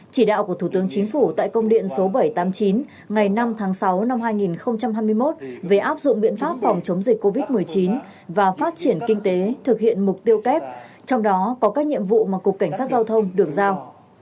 chỉ đạo của thủ tướng chính phủ tại công điện số bảy trăm tám mươi chín ngày năm tháng sáu năm hai nghìn hai mươi một về áp dụng biện pháp phòng chống dịch covid một mươi chín và phát triển kinh tế thực hiện mục tiêu kép trong đó có các nhiệm vụ mà cục cảnh sát giao thông được giao